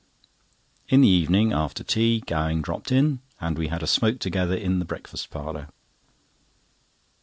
In the evening, after tea, Gowing dropped in, and we had a smoke together in the breakfast parlour.